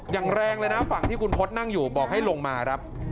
อย่างแรงเลยนะฝั่งที่คุณพศนั่งอยู่บอกให้ลงมาครับ